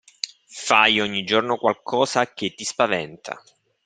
Fai ogni giorno qualcosa che ti spaventa.